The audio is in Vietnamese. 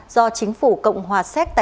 do chính phủ cộng hòa xéc tài trợ cho việt nam